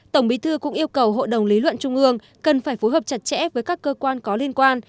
tổng bí thư cũng yêu cầu hội đồng lý luận trung ương cần phải phối hợp chặt chẽ với các cơ quan có liên quan